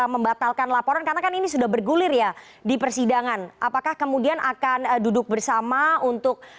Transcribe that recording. membatalkan laporan karena kan ini sudah bergulir ya di persidangan apakah kemudian akan duduk bersama untuk